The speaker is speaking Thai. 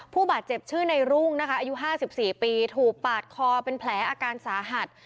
ผู้บาดเจ็บชื่อในรุ่งนะคะอายุ๕๔ปีถูกปาดคอเป็นแผลอาการสาหัส